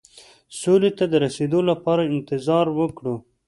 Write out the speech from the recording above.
سولې ته د رسېدو لپاره انتظار وکړو.